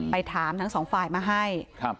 ไปถามทั้งสองฝ่ายมาให้